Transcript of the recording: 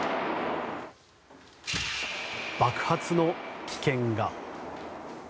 爆発の危険が。